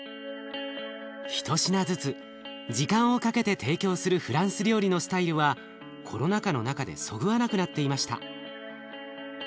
一品ずつ時間をかけて提供するフランス料理のスタイルはコロナ禍の中でそぐわなくなっていました。